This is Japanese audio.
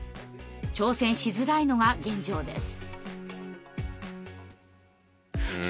挑戦しづらいのが現状です。